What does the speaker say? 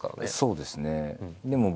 そうですね。